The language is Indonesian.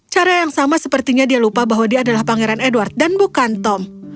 cara yang sama sepertinya dia lupa bahwa dia adalah pangeran edward dan bukan tom